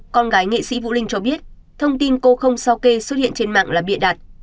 con gái nghệ sĩ vũ linh cho biết thông tin cô không sao kê xuất hiện trên mạng là bịa đặt